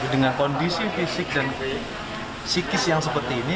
dengan kondisi fisik dan psikis yang seperti ini